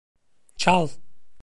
Çal!